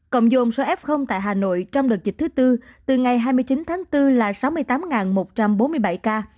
cộng dồn số f tại hà nội trong đợt dịch thứ tư từ ngày hai mươi chín tháng bốn là sáu mươi tám một trăm bốn mươi bảy ca